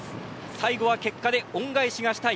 最後は結果で恩返しがしたい。